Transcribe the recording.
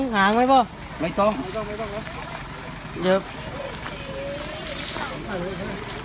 สวัสดีครับทุกคน